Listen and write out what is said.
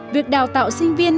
việc đào tạo sinh viên